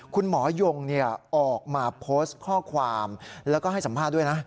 คุณหมอยงออกมาโพสต์ข้อความแล้วก็ให้สัมภาษณ์ด้วยนะ